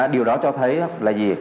điều đó cho thấy là gì